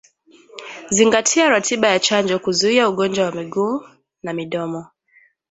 Zingatia ratiba ya chanjo kuzuia ugonjwa wa miguu na midomo